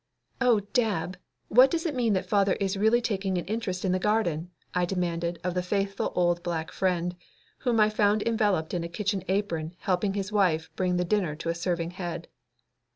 "Oh, Dab, what does it mean that father is really taking an interest in the garden?" I demanded of the faithful old black friend, whom I found enveloped in a kitchen apron helping his wife bring the dinner to a serving head.